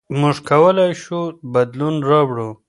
موږ کولای شو بدلون راوړو.